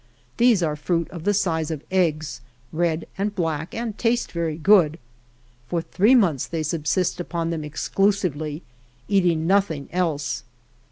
These are a fruit of the size of eggs, red and black, and taste very good. For three months they subsist upon them exclusively, eating nothing else.